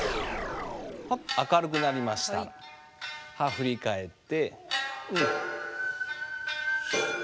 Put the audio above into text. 振り返って。